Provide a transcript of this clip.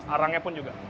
arangnya pun juga